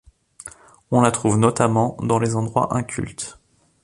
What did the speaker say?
On la trouve notamment dans les endroits incultes.